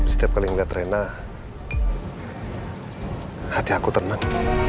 setiap kali ngeliat rena hati aku tenang